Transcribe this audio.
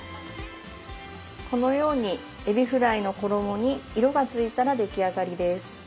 このようにえびフライの衣に色がついたら出来上がりです。